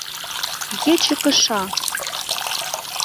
«Ече кыша!»